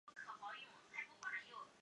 天主教巴科洛德教区位于此地。